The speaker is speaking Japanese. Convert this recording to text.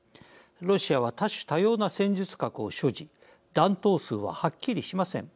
ロシアは多種多様な戦術核を所持弾頭数は、はっきりしません。